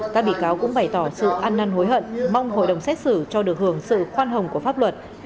các bị cáo cũng bày tỏ sự ăn năn hối hận mong hội đồng xét xử cho được hưởng sự khoan hồng của pháp luật